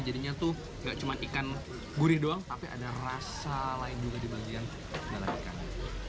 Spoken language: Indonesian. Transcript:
jadinya tuh gak cuma ikan gurih doang tapi ada rasa lain juga di bagian dalam ikan